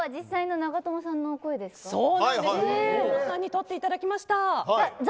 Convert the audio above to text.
長友さんに撮っていただきました。